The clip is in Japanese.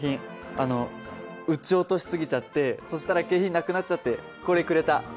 あの撃ち落とし過ぎちゃってそしたら景品なくなっちゃってこれくれた。